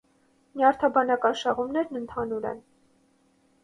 Նյարդաբանական շեղումներն ընդհանուր են։